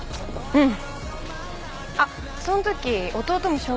うん。